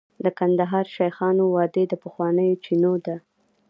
د کندهار شیخانو وادي د پخوانیو چینو ده